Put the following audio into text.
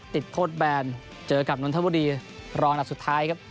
ติดโทษแบนเจอกับนนทบุรีรองอันดับสุดท้ายครับ